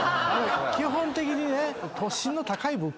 基本的にね。